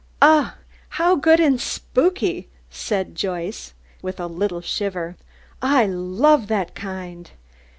"Ugh! How good and spooky!" said Joyce, with a little shiver. "I love that kind."